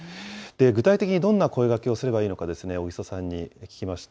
具体的にどんな声がけをすればいいのか、小木曽さんに聞きました。